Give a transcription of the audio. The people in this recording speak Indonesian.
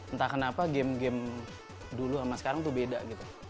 entah kenapa game game dulu sama sekarang tuh beda gitu